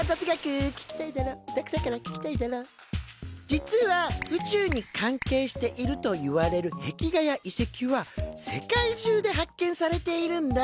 実は宇宙に関係しているといわれる壁画や遺せきは世界中で発見されているんだ。